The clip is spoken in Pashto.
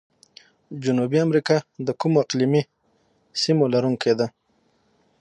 جنوبي امریکا د کومو اقلیمي سیمو لرونکي ده؟